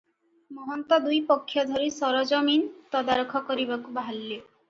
ମହନ୍ତ ଦୁଇପକ୍ଷ ଧରି ସରଜମିନ ତଦାରଖ କରିବାକୁ ବାହାରିଲେ ।